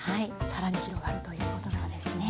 更に広がるということなんですね。